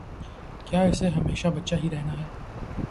کیا اسے ہمیشہ بچہ ہی رہنا ہے؟